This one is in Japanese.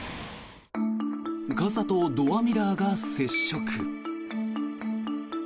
傘とドアミラーが接触。